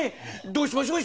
どうしましょう？